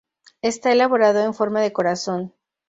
Esta elaborado en forma de corazón.